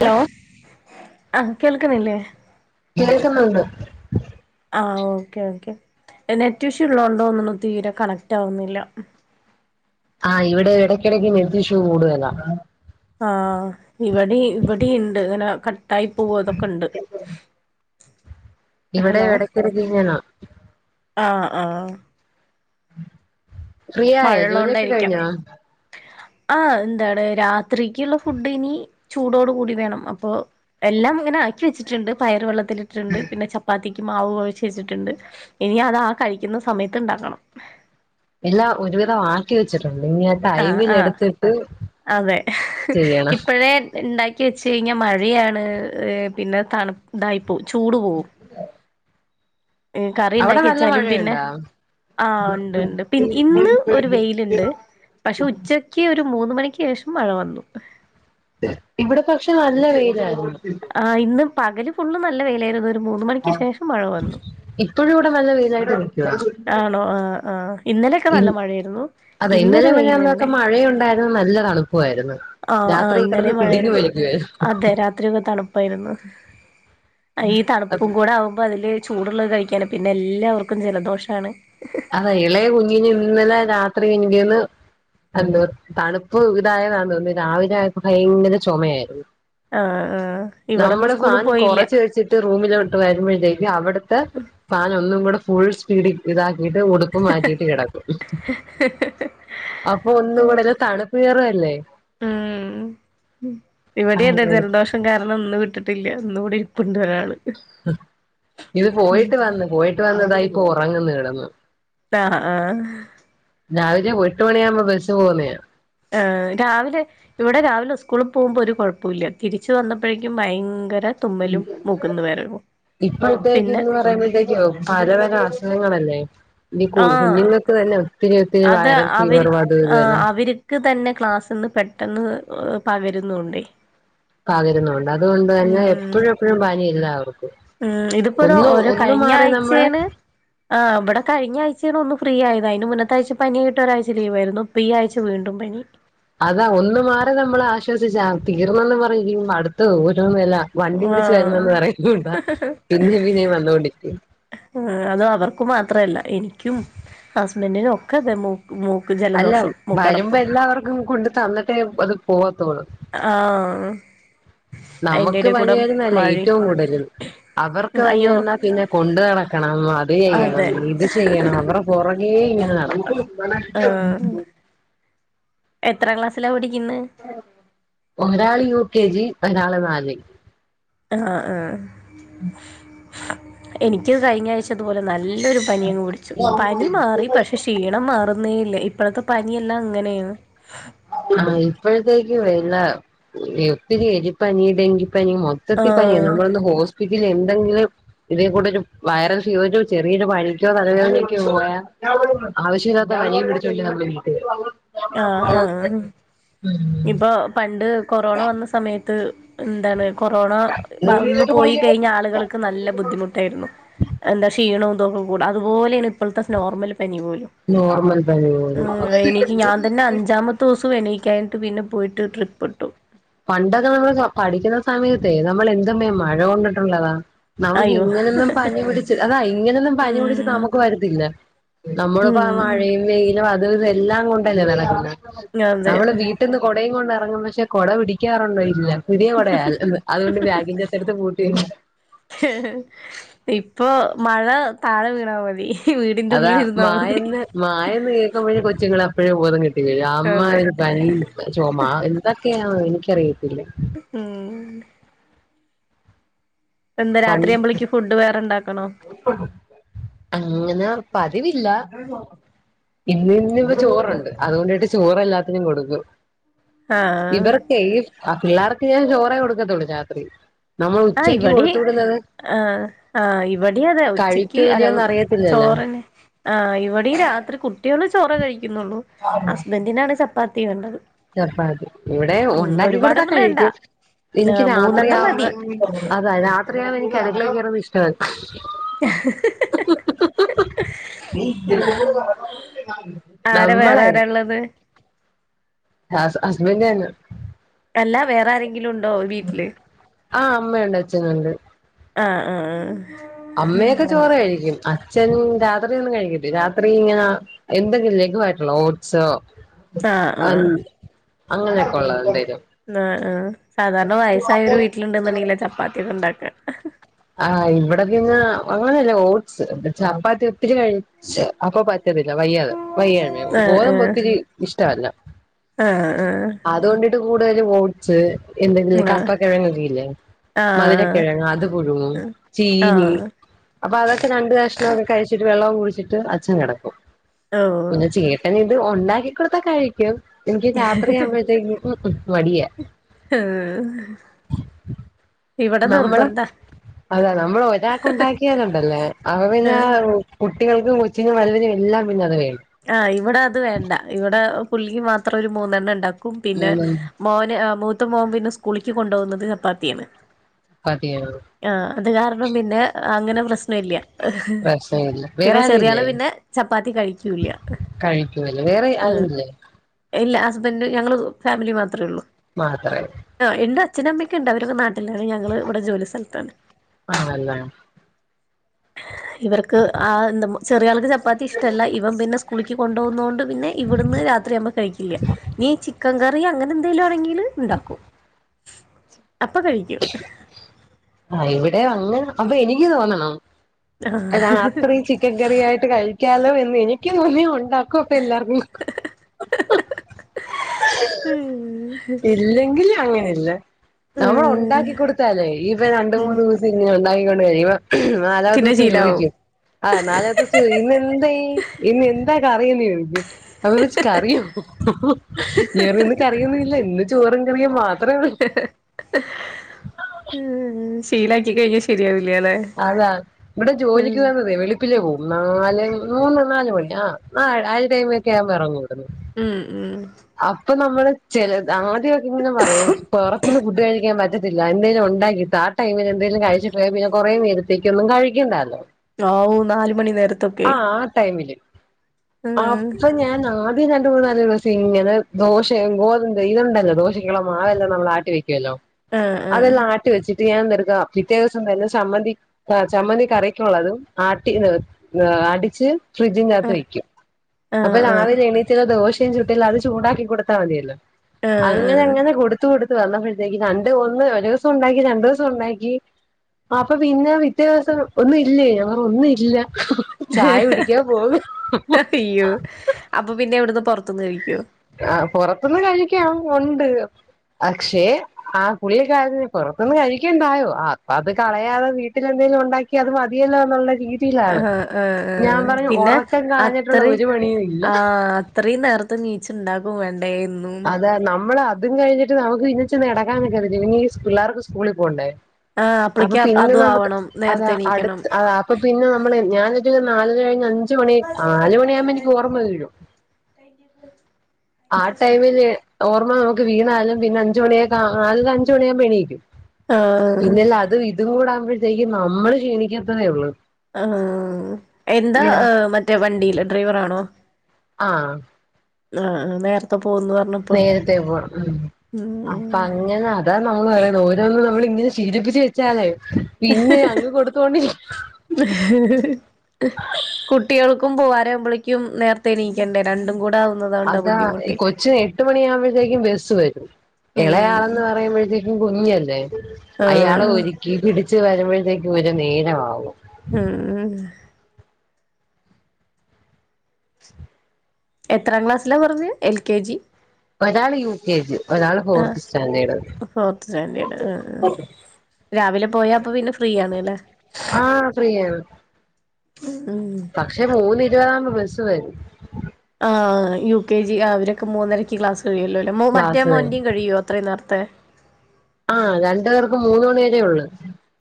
Hello ആഹ് കേൾക്കണില്ലേ കേൾക്കുന്നുണ്ട് ആഹ് ഓക്കേ ഓക്കേ നെറ്റ് ഇഷ്യൂ ഉള്ളോന്തോന്നണു തീര കണക്റ്റ് ആവുന്നില്ല ആഹ് ഇവിടെ ഇടക്കിടക്ക്‌ നെറ്റിഷ്യു കൂടുതലാ ആഹ് ഇവിടെ ഇവിടെയ്ണ്ട് ഇങ്ങനെ കട്ടായി പോവ ഇതൊക്കെണ്ട് ഇവിടെ എടയ്ക്കൊരു [unintelligible] ആഹ് ആഹ് ഫ്രീ ആയോ ജോലിയൊക്കെ മഴള്ളോണ്ടായിരിക്കാം കഴിഞ്ഞോ ആഹ് എന്താണ് രാത്രിയ്ക്കുള്ള ഫുഡ് ഇനി ചൂടോട് കൂടി വേണം അപ്പൊ എല്ലാം ഇങ്ങനെ ആക്കി വെച്ചിട്ടുണ്ട് പയറ് വെള്ളത്തില് ട്ടിട്ട്ണ്ട് പിന്നെ ചപ്പാത്തിക്ക് മാവ് കുഴച്ച് വച്ചിട്ടുണ്ട് ഇനി അത് ആ കഴിക്കുന്ന സമയത്ത് ഇണ്ടാക്കണം എല്ലാം ഒരുവിധം ആക്കി വെച്ചിട്ടുണ്ട് ഇനി അത് ആഹ് ആഹ് അതെ ചെയ്യണം ഇപ്പഴേ ഇണ്ടാക്കി വെച്ച് കഴിഞ്ഞാ മഴയാണ് ഏഹ് പിന്നെ തണുപ് ഇതായിപ്പോകും ചൂട് പോകും ഏഹ് കറി അവിടെ ഇണ്ടാക്കി നല്ല വെച്ചാലും പിന്നെ മഴയുണ്ടോ ആഹ് ഉണ്ട് ഇണ്ട് പി ഇന്ന് ഒരു വെയില്ണ്ട് പക്ഷെ ഉച്ചക് യ്ക്ക്‌ ഒരു മൂന്ന് മണിക്ക് ശേഷം മഴ വന്നു ഇവിടെ പക്ഷെ നല്ല വെയിലായിരുന്നു ആഹ് ഇന്ന് പകല് ഫുള്ള് നല്ല വെയിലാരുന്നു ഒരു മൂന്ന് മണിക്ക് ശേഷം മഴ വന്നു ഇപ്പൊഴും ഇവിടെ നല്ല വെയിലായിട്ടും ആണോ ആഹ് ആഹ് ഇന്നലെയൊക്കെ ഇൻ നല്ല മഴയായിരുന്നു അതെ ഇന്നൊരു ഇന്നലെ പിന്നെ അന്നൊക്കെ വെയിലുണ്ട് മഴയുണ്ടാര് ന്ന് നല്ല തണുപ്പുവാര്ന്ന് ആഹ് ആഹ് ഇന്നലേം മഴേര്ന്ന് അതെ രാത്രി ഒക്കെ തണുപ് പ്പാരുന്നു ഈ തണുപ്പും കൂടെ ആവുമ്പോ അതില് ചൂടുള്ളത് കഴിക്കാന് പിന്നെ എല്ലാവർക്കും ജലദോഷാണ് അതേ ഇളയ കുഞ്ഞിന് ഇന്നലെ രാത്രി എനിക്ക്‌ തോന്നുന്നു - എന്തുവാ തണുപ്പ് ഇതായകാരണം പിന്നെ രാവിലെ ആയപ്പം ഭയങ്കര ചൊമയാരുന്നു ആഹ് ആഹ് ഇവിടെന്ന് സ്കൂളി പോയില്ല ട്ട് റൂമിലോട്ട് വരുമ്പഴത്തേയ്ക്കും അവിടുത്തെ ഫാൻ ഒന്നും കൂടെ ഫുൾ സ്പീഡി ഇതാക്കിട്ട് - വീണ്ടും ഉടുപ്പ് മാറ്റിട്ട് കെടക്കും [unintelligible] അപ്പൊ ഒന്നും കൂടെയില്ലേ തണുപ്പ് കേറുവല്ലേ ആഹ് ഉം ഇവിടെ അതാ അങ്ങനെ ജലദോഷം കാരണം ഇന്ന് വിട്ടിട്ടില്ല ഇന്ന് ഇവിടെ ഇരിപ്പുണ്ട് ഒരാള് ഇത് പോയിട്ട് വന്ന് പോയിട്ട് വന്നതായിപ്പോ ഒറങ്ങുന്ന് കെടന്ന് ആഹ് ആഹ് രാവിലെ എട്ട് മണിയാവുമ്പോ ബസ് പോന്നയാ ആഹ് രാവിലെ ഇവിടെ രാവിലെ സ്കൂളിൽ പോകുമ്പോ ഒരു കൊഴപ്പില്ല തിരിച്ചു വന്നപ്പോഴേക്കും ഭയങ്കര- ഉം തുമ്മലും മൂക്കുന്ന് വിറയലും ഇപ്പോഴത്തേക്ക് പിന്നെ എന്ന് പറയുമ്പഴേത്തേക്കും പല പല അസുഖങ്ങളല്ലേ ഇനി ആഹ് കുഞ്ഞുങ്ങക്ക്‌ - ഇപ്പതന്നെ ഒത്തിരി ഒത്തിരി വൈറൽ ഫീവറും അതും ഇതുമെല്ലാം എനിക്ക് തന്നെ ക്ലാസ്സിന്ന് പെട്ടെന്ന് പകരുന്നുണ്ടെ പകരുന്നുണ്ട് അതുകൊണ്ട് തന്നെ ഉം എപ്പഴും എപ്പഴും പനിയില്ല എല്ലാവർക്കും ഉം ഇതിപ്പോ ഒരു ഒന്നു ഒരു ഒന്നു കഴിഞ്ഞ മാറി നമ്മള്- ആഴ്ചയാണ് ആഹ് ഇവിടെ കഴിഞ്ഞഴ്ചയിൽ ഒന്ന് ഫ്രീ ആയതാ അതിന് മുന്ന കഴിഞ്ഞഴ്ച്ച പനി ആയിട്ട് ഒരാഴ്ച ലീവായിരുന്നു ഇപ്പൊ ഈ ആഴ്ച വീണ്ടും പനി അതാ ഒന്നു മാറി നമ്മള് ആശ്വസിച്ചാ തീർന്നന്ന് പറയുപ്പോ അടുത്ത ഓരോന്നെല്ലാ- വണ്ടി പിടിച്ച് ആഹ് വരുന്നെന്ന് പറയും അതാ പിന്നേ പിന്നേ വന്നൊണ്ടിരിക്കും ആഹ് അത് അവർക്ക് മാത്രല്ല എനിക്കും ഹസ്ബൻഡിനും ഒക്കെ അതെ ഗ [unintelligible] മോ മൂക്കില് അല്ല വരുമ്പോ എല്ലാവർക്കും കൊണ്ട് തന്നിട്ടേ അത് പോവാത്തോളൂ ആഹ് അയിന്റെ നമുക്ക് എടേ പനി കൂടെ വരുന്നല്ലേ മഴയും ഏറ്റവും കൂടുതലും അവർക്ക് പനി അയ്യോ വന്നാൽ പിന്നെ കൊണ്ട് നടക്കണം അത് ചെയ്യണം അതെ ഇത് ചെയ്യണം അവർ- പൊറകെ ഇങ്ങനെ നടക്കും ആഹ് എത്ര ക്ലാസ്സിലാ പടിക്കുന്നേ ഒരാള് യു കെ ജി ഒരാള് നാല് ആഹ് ആഹ് ഉം എനിക്ക് കഴിഞ്ഞഴ്ച ഇതുപോലെ നല്ലൊരു പനിയങ്ങ് പിടിച്ചു പനി മാറി പക്ഷെ ക്ഷീ മാറുന്നേയില്ല ഇപ്പോഴത്തെ പനിയെല്ലാം അങ്ങനെയാണ് ആ ഇപ്പഴത്തേക്ക് വല്ല ഒത്തിരി എലിപ്പനി ഡെങ്കിപ്പനി മൊത്തം- മൊത്തത്തിൽ പനിയാണ് ആഹ് നമ്മള് ഒന്ന് ഹോസ്പിറ്റലിൽ എന്തെങ്കിലും- ഇതിൽ കൂടുതല് വൈറൽ ഫ്യൂ ചെറിയൊരു പനിക്കോ തലവേദനക്കോ പോയാ- ആവശ്യമില്ലാത്ത പനിയും പിടിച്ചോണ്ട് വന്ന് വീട്ടില് ആഹ് ആഹാ ഇപ്പൊ പണ്ട് കൊറോണ വന്ന സമയത്ത്- എന്താണ് കൊറോണ വന്ന് പോയി കഴിഞ്ഞ ആളുകൾക്ക് നല്ല ബുദ്ധിമുട്ടായിരുന്നു എന്താ ക്ഷീണവും ഇതൊക്കെ കൂടെ അതുപോലെയാണ് ഇപ്പോഴത്തെ നോർമൽ പനി പോലും നോർമൽ പനി പോലും രണ്ടാമത്തെ ദിവസം എണിക്കാനിട്ട് പിന്നെ പോയിട്ട് ട്രിപ്പ് ഇട്ടു പണ്ടൊക്കെ നമ്മള് പഠിക്കുന്നേ സമയത്തേ നമ്മള് എന്തുമേ മഴ കൊണ്ടിട്ടുള്ളതാ നമുക്ക് അയ്യോ ഇങ്ങനൊന്നും പനി പിടിച്ച് അതാ ഇങ്ങനെയൊന്നും പനി പിടിച്ച് ഉം നമുക്ക് വരത്തില്ല നമ്മളിപ്പോ ഉം മഴയും വെയിലും- ആ ഇതെല്ലാം കൊണ്ടല്ലേ നടക്കുന്നെ നമ്മള് അതെ വീട്ടിന്ന് കൊടയും കൊണ്ടിറങ്ങും പക്ഷെ കൊട പിടിക്ക- പിടിക്കാറുണ്ടോ ഇല്ല പുതിയ കൊടയാ അൽ അതുകൊണ്ട് ബാഗിന്റെ എടുത്ത് പൂട്ടി വെക്കും ഇപ്പൊ മഴ താഴെ വീണാ മതി ഈ വീടിന്റെ ഉള്ളിൽ ഇരുന്നാ മതി മഴയെന്ന് കേൾക്കുമ്പഴേ കൊച്ചുങ്ങള് അപ്പഴേ ബോധം കേട്ടു വീഴും അതെ അമ്മാതിരി പനിയും ചൊമ എന്തൊക്കെയാ എനിക്കറിയത്തില്ല ഉം എന്താ പണ്ട് രാത്രിയാവുമ്പളേക്ക് ഫുഡ് വേറെണ്ടാക്കണോ? അങ്ങനെ പതിവില്ല ഇന്ന് പിന്നെ ഇപ്പൊ ചോറുണ്ട് അതുകൊണ്ടായിട്ട് ചോറ് എല്ലാത്തിനും കൊടുക്കും ആഹ് ഇവർക്കേ ഈ അ പിള്ളേർക്ക് ഞാൻ ചോറേ കൊടുക്കത്തുള്ളൂ രാത്രി നമ്മള് ആഹ് ഉച്ചക്ക് ഇവിടെ കൊടു ആഹ് ആഹ് ഇവിടെയും അതെ ഉച്ചക്ക് കഴിക്കോ അല്ല ഇല്ലയോന്ന് അറിയത്തില്ലല്ല ചോറെന്നെ ആഹ് ഇവിടെയും രാത്രി കുട്ടികള് ചോറെ കഴിക്കുന്നുള്ളൂ ഹസ്ബൻഡിനാണ് ചപ്പാത്തി വേണ്ടത് ചപ്പാത്തി ഇവിടെ ഉം ഒണ്ടാക്കി കൊടുത്താ ഒരുപാടൊന്നും വേണ്ട കഴിക്കും എനിക്ക് ആഹ് മൂന്നെണ്ണം മതി രാത്രിയാവുമ്പ അതാ രാത്രിയാവുമ്പോ എനിക്ക് അടുക്കളയിൽ കേറുന്നെ ഇഷ്ടവല്ല ഉം നമ്മളെ ള്ളത് ഹസ് ഹസ്ബൻ്റ് തന്നാ അല്ല വേറെ ആരെങ്കിലും ഉണ്ടോ വീട്ടില് ആ അമ്മയുണ്ട് അച്ഛനുണ്ട് ആഹ് ആഹ് ആഹ് അമ്മയൊക്കെ ചോറ് കഴിക്കും അ ച്ചൻ രാത്രി ഒന്നും കഴിക്കത്തില്ല രാത്രി ഇങ്ങനെ എന്തെങ്കിലും ലഘുവായിട്ടുള്ള ഓട്സോ ആഹ് ആഹ് അങ്ങ് ആഹ് അങ്ങനെയൊക്കെ ഒള്ള എന്തേലും ആഹ് ആഹ് സാധാരണ വയസ്സായോര് വീട്ടിലിണ്ട്ന്നുണ്ടെങ്കിലാ ചപ്പാത്തിയൊക്കെ ഇണ്ടാക്കാ ആഹ് ഇവിടെ പിന്നാ അങ്ങനല്ല ഓട്സ് ചപ്പാത്തി ഒത്തിരി കഴി അപ്പൊ പറ്റുന്നില്ല വയ്യാത് വയ്യാഞ്ഞേ ആഹ് ആഹ് ഗോതമ്പൊത്തിരി ഇഷ്ട്ടവല്ല ആഹ് അതുകൊണ്ടിട്ട് കൂടുതലും ഓട് സ് എന്തെങ്കിലും ആഹ് കപ്പക്കെഴങ്ങൊക്കെ ഇല്ലേ ആഹ് ആഹ് മധുരക്കിഴങ്ങ് അത് പുഴുങ്ങും ചീനി ആഹ് അപ്പൊ അതൊക്കെ രണ്ട് കഷ്ണൊക്കെ കഴിച്ചിട്ട് വെള്ളവും കുടിച്ചിട്ട് അച്ചൻ കെടക്കും [unintelligible] പിന്നെ ചേട്ടൻ ഇത് ഒണ്ടാക്കി കൊടുത്താ കഴി ക്കും എനിക്ക് രാത്രി ആകുമ്പഴത്തേക്ക് ഉം ഉം മടിയാ ആഹ് നമ്മള് അതാ നമ്മൾ ഒരാക്ക് ഒണ്ടാക്കിയാലുണ്ടല്ലേ അപ്പ പിന്നെ ഏഹ് കുട്ടികൾക്കും കൊച്ചിനും വൽതിനും എല്ലാം പിന്നെ അത് വേണം ആഹ് ഇവിടെ അത് വേണ്ട ഇവിടെ പുള്ളിക്ക് മാത്രം ഒരു മൂന്നെണ്ണം ഉണ്ടാക്കും പിന്നെ ഊണും മോന് ആഹ് മൂത്ത മോൻ പിന്നെ സ്കൂളിക്ക് കൊണ്ടോകുന്നത് ചപ്പാത്തിയാണ് ചപ്പാത്തിയോ ആഹ് അത് കാരണം പിന്നെ അങ്ങനെ പ്രശ്നം ഇല്ല പ്രശ്നമില്ല വേറെ പിന്നെ ചെറിയാള് ആരുമില്ലേ പിന്നെ ചപ്പാത്തി കഴി ഇല്ല കഴിക്കുവല്ലോ വേറെ ആഹ് ആരുമില്ലേ ഇല്ല ഹസ്ബൻഡ് ഞങ്ങള് ഫാമിലി മാത്രേ ഉള്ളൂ മാത്രായി ആഹ് ഇണ്ട് അച്ഛനും അമ്മയൊക്കെ ഇണ്ട് അവരൊക്കെ നാട്ടിലാണ് ഞങ്ങള് ഇവിടെ ജോലി സ്ഥലത്താണ് ആണല്ലേ ഇവർക്ക് ആഹ് എന്താ ചെറിയ ആൾക്ക് ചപ്പാത്തി ഇഷ്ട്ടല്ല ഇവ് പിന്നെ സ്കൂളിക്ക് കൊണ്ട് പോവുന്നോണ്ട് പിന്നെ ഇവിടുന്ന് രാത്രിയാകുമ്പ കഴിക്കില്ല ഇനീ ചിക്കൻ കറി അങ്ങനെ എന്തെലും ആണെങ്കില് ഇണ്ടാക്കും അപ്പൊ കഴിക്കും ആഹ് ഇവിടെ അങ്ങനെ അപ്പൊ എനിക്ക് തോന്നണം [unintelligible] രാത്രി ചിക്ക് ചിക്കൻ കറിയായിട്ട് കഴിക്കാലോ എന്ന് എനിക്ക് തോന്നിയ ഉണ്ടാക്കും ക്കൊക്കെ എല്ലാർക്കും [unintelligible] എ- ഇല്ലെങ്കിൽ അങ്ങനെല്ല നമ്മൾ ഉണ്ടാക്കി ഉം കൊടുത്താലേ ഇപ്പ രണ്ട് മൂന്ന് ദിവ [unintelligible] ഉണ്ടാക്കിക്കൊണ്ട് കഴിയുമ്പോ പിന്നെ നാലാമത്തുവസം ചോദിക്കും ആഹ് നാലാമത്തെ ദിവസം ചോയ്ക്കും ഇന്ന് എന്തേ ഇന്ന് എന്താ കറിന്ന് ചോയ്ക്കും അവ വച്ച് കറിയോ വേറെ ഇന്ന് കറിയൊന്നും ഇല്ല ഇന്ന് ചോറും കറിയും മാത്രേഒള്ളൂ ശീലാക്കി കഴിഞ്ഞാ ശരിയാവില്ല ല്ലെ അതാ ഇവിടെ ജോലിക്ക് വന്നതേ വെളി ഉപ്പിൽ പോവും നാല് മൂന്ന് നാല് മണി ആ നാ ആ ടൈമ ഒക്കെ ആവ്ബോ എ റങ്ങു വട്ന്ന്.. മ്മ്ഹ്ഹ്. അപ്പ നമ്മള് ചെലത്. ആദ്യം ങ്ങനെ പറയും. കൊറ ഇന്ന് ഫുഡ് കഴിക്കൻ പറ്റതില്ല എന്തങ്കലും ഉണ്ടാക്കിട്ട ആടൈമിൽ എന്തേലും കഴിചിട്ട് പോയ. പിന്നെ കുറേനേ. കെന്നും കഴിക്കണ്ടാന്ന് പറയും.. ആവൂ നാല് മണി ആ നേരത്തൊക്കെ ആ ടൈമില് ഉം അപ്പൊ ഞാൻ ആ.. റി രണ്ട്. മുന്നാല് ദിവസ ഇങ്ങനെ ദോശ ഗോതംന്ത ഇതുണ്ടല്ലോ ദോശക്കള മാവെല്ലാം നമ്മൾ ആട്ടി വെക്കുല്ലോ.. ആഹ് അതെല്ലാം ആഹ് ആട്ടി വെച്ചിട്ട് ഞാൻ എറുകാം. പിറ്റേ ഇസംവെര്നെ സംമ്മന്തി.. ആ ചമ്മന്തി കറിക്കുള്ളതും ആട്ടി അടിച് ഫ്രിഡ്ജിൻ്കത്ത് ആഹ് വെക്കും അപ്പൊ. ആഹ് ആഹ് രാവിലെ എണീറ്റ്ന്ന. ദോശയുംച്ചു തില് അത് ചൂടാക്കി കൊടുത്താ മതിയല്ലോ അങ്ങനെ ആഹ് അങ്ങന കൊടു ത്ത്. കൊടുത്ത് വന്നപ്പോഴത്തേക്ക് രണ്ട് ഒന്ന് ഒരു ഉസം ഉണ്ടാക്കി രണ്ടു ഉസം. ഉണ്ടാക്കി.. അപ്പൊ പിന്നെ പിറ്റേയിസം. ഒന്നും ഇല്ലേ ഞൻ. ഒന്നുഇല്ല.. ചായ കുടിക്കാ [unintelligible] ഇയ്യോ അപ്പൊ പിന്നെ വിടെന്ന് പൊറത്ത്ന്ന്കഴിക്കോ ആ പൊറത്തുന്ന് കഴിക്കാം ഉണ്ട് പക്ഷെ ആ പുളികാരന്. പൊറത്ത് ന്ന് കഴിക്കേണ്ടായോ ആ. അപ്പൊ അത് കളയാതെ വീട്ടിലെന്തെങ്കലും. ഉണ്ടാക്കി.. ക്യ ത് മതിയല്ലോന്നുള്ള രീതി.. പ്പിലാണ് ആഹ് ഞാൻ ആഹ് പറഞ്ഞു പിന്നെ ഒറക്കം കളഞ്ഞിട്ടുള്ള. ഒരു പണിയും. ഇല്ല.. ഇത്രി നേരത്ത നീച്ണ്ടാക്കും വേണ്ടേന്ന്.. അതെ നമ്മള് അതും കഴിഞ്ഞിട്ട് നമക്ക് നീച്ച് നടക്കാൻ നിക്കണ്ടെ ചിണ്ങ്ങി പിള്ളേർക് സ്കൂളിൽ പോകണ്ടേ.. ആഹ് അപ്പൊ അപ്പളേക്ക് പിന്നെ അതും നമക്ക്.. ആവണം അതാ നേരത്തെ എണീക്കണം അടുത്ത് അത അപ്പൊ പിന്നെ നമ്മള് ഞാനൊരു. നാലര കഴിഞ്ഞ് അഞ്ച് മണി. നാലുമണിയവുമ്പ. എനിക്ക്ഓർമ്മ വീഴും.. [unintelligible] ആ ടൈമിൽ ഓർമ്മ നമക്ക് വീണാലും പിന്നെ അഞ്ചു മണിയ നാലര അഞ്ച് മണിയാവുമ്പ എണീക്കും.. ആഹ് പിന്നെല്ല അതും ഇതും കൂട ആവുമ്പോഴത്തേക്കും അമ്മള് ക്ഷീണിക്കാത്തതേ ഒള്ളൂ.. ആ ആ. എന്താ മറ്റേ വണ്ടിൽ ഡ്രൈവറാണോ.. ആഹ ആആ. നേരത്തെ പോന്ന് അർ.. നേരത്തെേ പോണം മ്മ്ഹ്ആ അപ്പ ഉം അങ്ങനെ അതാണ് ഓള് പറയുന്നത് ഓരോന്ന് നമ്മള് ഇങ്ങനെ ശീലിച്ച് വെച്ചാലേ.. പിന്നെ അങ്ങ് കൊടുത്തോണ്ടി. ഹ് ഹ.. കുട്ടിൾക്കും പോവരമ്പളക്കും നേരത്തെ എണീക്കണ്ടേ. രണ്ടും കൂടെ ആവുബ് അതാ ഈ കൊച്ചിന് എട്ട് മണിയ ആവുമ്പോഴത്തേക്കും ബസ്സ് വരും ഉം ഇളയാളെന്ന് പറയുമ്പോഴത്തേ ഇൻ കുഞ്ഞല്ലേ അയാളെ ആഹ് ഒരുക്കി പിടിച്ച് വരുമ്പോഴത്തേക്ക് ഒരു നേരമാവും.. ഹ്ഹ്.. [unintelligible] എത്രാം ക്ലാസ്സിലാ പറഞ്ഞ് എൽ. കെ. ജി.. ഒരാള് യു കെജി ഒ രാൾ ആഹ് ഫോർത് സ്റ്റാൻഡേഡ്. ഫോർത്ത് സ്റ്റാൻഡേർഡ് ആ ആ രാവിലെ പോയാ അപ്പൊ പിന്നെ ഫ്രീ ആണ്ലേ.. ആഹ ഫ്രീയാണ്.. മ്മ്ഹ്. പക്ഷെ മൂന്ന് ഇരുവതാബോ. ബസ്സ് വെരും.. ആ യു കെ ജി അവരൊക്കെ മൂന്നരക്ക്. ക്ലാസ് കഴിയല്ലോ.. മോ മറ്റേ ക്ലാസ് വരും മോന്റെയിം കഴിയോ അത്രയും നേരത്തെ.. ആ രണ്ടു പേർക്ക് മൂന്ന് മണി വരേ. ഒള്ളു..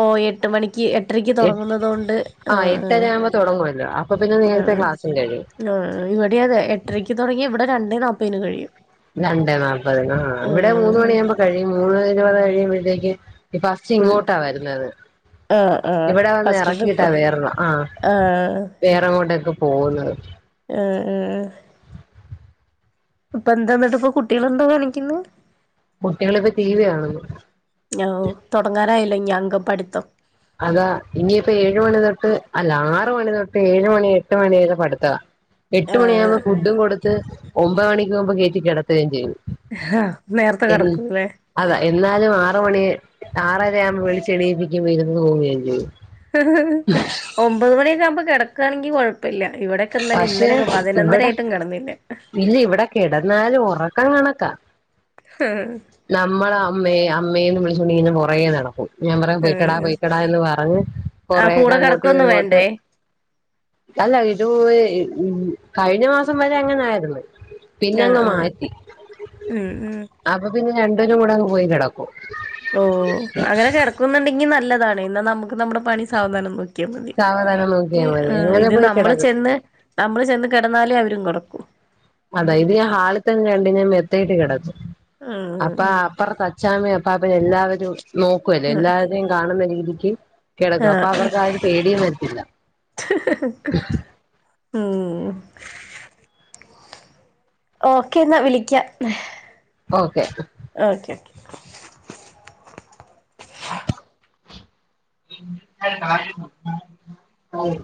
ഓ എട്ട് മണിക്ക് എട്ടരക്ക് എട്ട്. തുടങ്ങുന്നത് കൊണ്ട് അ ആ ആ എട്ടര ആവുമ്പോ തൊടങ്ങുല്ലോ. അപ്പൊ പിന്നെ നേരത്തെ ക്ലാസ്.. സും കയ്യും.. ആ ആ ഇവിടെ അതെ. എട്ടരയ്ക്ക് തുടങ്ങി ഇവിടെ രണ്ടേ നാപ്പന് കഴിയും. രണ്ടേ നാല്പ്പത്നെ, ആ ഇവിടെ മൂന്ന് മണിയാകുമ്പോ കഴിയും. മൂന്ന്മണീന്ന് കഴിയുമ്പോഴത്തേക്ക്. പസ്റ്റ് ഉം ഇങ്ങോട്ടാ വരുന്നത്? ആ ആ ഇവിടെ വന്ന് ഫസ്റ്റ് ട്രിപ്പ് ഇറക്കിട്ടാ വേറെള്ള ആഹ. ആ വേറെങ്ങോട്ടൊക്കെ പോകുന്നത്? ആഹാ ആഹാ ആഹാ അപ്പൊ എന്താന്നട്ട് ഇപ്പൊ കുട്ടികളെന്താ കാണിക്ക്ന്നത്? കുട്ടികളിപ്പോ ടി. വി കാണുന്നു. ഓ തുടങ്ങാറായല്ലോ ഇന്നി അംഗപഠിത്തം. അതാ. ഇനിയിപ്പോ ഏഴ് മണി തൊട്ട് അല്ല ആറ് മണി തൊട്ട് ഏഴ് മണി എട്ട് മണിവരെ പഠിത്താ. [inaudible] എട്ട് മണിയാകുമ്പോൾ ഫുഡും കൊടുത്ത് ഒമ്പത് മണിക്ക് മുമ്പ് കെറ്റി കിടത്തെയും ചെയ്യും. ആഹ നേരത്തെ എ കിടക്കൂല്ലേ? അതാ. എന്നാലും ആറ് മണി, ആറര ആവുമ്പോ വിളിച്ച് എണീയിപ്പിക്കും. ഇരുന്ന് തൂങ്ങേ ചെയ്യും. ഒമ്പത് മണിയൊക്കെ ആവുമ്പോ കിടക്കുകയാണെങ്കി കൊഴ പ്പല്ല. ഇവിടക്കെ ഇന്നലെ ഇന്നലെയൊക്കെ പതിനൊന്നര ആയിട്ടും കിടന്നില്ല. പിന്നെ ഇവിടെ കിടന്നാലും ഉറക്കം കണക്കാ. ഹഹ. നമ്മള അമ്മയെ അമ്മേന്ന് വിളിച്ചോണ്ടിങ്ങനെ പൊറകെ നടക്കും. ഞാൻ പറയാ, പൊയ്ക്കടാ ആഹ് പൊയ്ക്കടാ എന്ന് പറഞ്ഞ്, ആഹ് കൊറയൊക്കെ കൂടെ അങ്ങോട്ട് കിടക്കൊന്നും ഇങ്ങോട്ട്. വേണ്ടേ അല്ല ഇത്, ഉവെ കഴിഞ്ഞ മാസം വരെ അങ്ങനെ ആയിര്ന്ന്. ആഹ് പിന്നങ്ങ് ആഹ് മാറ്റി. ഉം ഉം അപ്പൊ പിന്നെ രണ്ടേരും കൂടെ അങ്ങ് പോയി കിടക്കും. ഉം. അങ്ങനെ കിടക്കുന്നുണ്ടെങ്കി നല്ലതാണ്. എന്നാ നമുക്ക് നമ്മുടെ പണി സാവധാനം നോക്കിയാ മതി സാവധാനം ഹി. നോക്കിയാൽ മതി അങ്ങനെ ഇത് പോയി നമ്മള് കിടക്കും ചെന്ന്- നമ്മള് ചെന്ന് കിടന്നാലേ അവരും കെടക്കൂ. അതാ ഇത് ഞാൻ ഹാളിൽത്തന്നെ രണ്ടിനേം മെത്തയിട്ട് കിടത്തും. അപ്പ ആഹ് അപ്പുറത്ത- അച്ചാമേം അപ്പാപ്പനേം എല്ലാവരും നോക്കുവല്ലേ? ആഹ് എല്ലാവരെയും കാണുന്ന രീതിക്ക്. കിടക്കും. അപ്പൊ ആഹ് അവർക്ക് ആഒരു പേടിയും വരത്തില്ല. ഉം ഓക്കെന്നാ, വിളിക്കാ. ഓക്കെ. ഓക്കെ. ഉം.